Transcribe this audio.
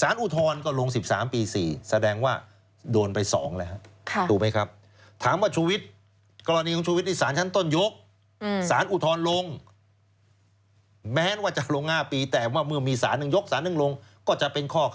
สารอุทธรพิพากษายืนตามสารอุทธรพิพากษายืนตามสารอุทธรพิพากษายืนตามก็ลง๑๓ปี๔